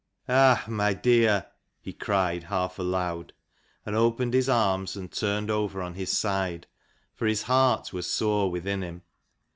" Ah my dear," he cried, half aloud, and opened his arms and turned over on his side, for his heart was sore within him.